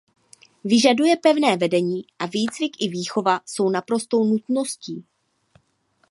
Vyžaduje pevné vedení a výcvik i výchova jsou naprostou nutností.